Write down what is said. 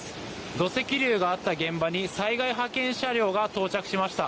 土石流があった現場に災害派遣車両が到着しました。